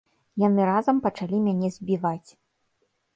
Яны разам пачалі мяне збіваць.